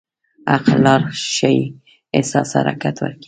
عقل لار ښيي، احساس حرکت ورکوي.